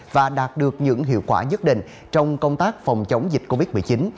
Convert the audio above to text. và đạt được những hiệu quả nhất định trong công tác phòng chống dịch công dân